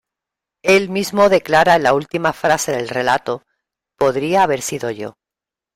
Él mismo declara en la última frase del relato: Podría haber sido yo.